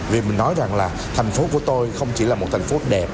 vì mình nói rằng là thành phố của tôi không chỉ là một thành phố đẹp